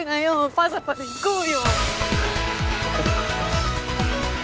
パザパで行こうよ！